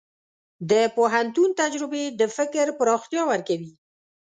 د پوهنتون تجربې د فکر پراختیا ورکوي.